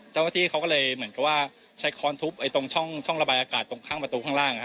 เจ้าหน้าที่เขาก็เลยเหมือนกับว่าใช้ค้อนทุบตรงช่องระบายอากาศตรงข้างประตูข้างล่าง